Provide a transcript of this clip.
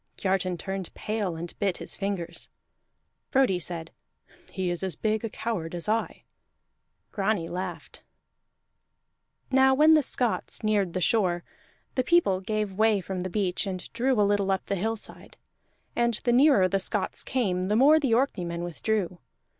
Kiartan turned pale and bit his fingers. Frodi said, "He is as big a coward as I." Grani laughed. Now when the Scots neared the shore, the people gave way from the beach and drew a little up the hillside; and the nearer the Scots came, the more the Orkneymen withdrew.